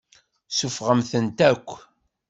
Suffɣemt-tent akk.